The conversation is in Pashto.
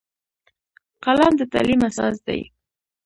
قلم د تعلیم اساس دی